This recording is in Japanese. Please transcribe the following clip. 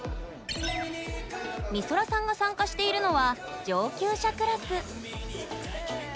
みそらさんが参加しているのは上級者クラス。